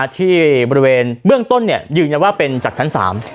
ที่บริเวณเบื้องต้นเนี่ยยืนยันว่าเป็นจากชั้น๓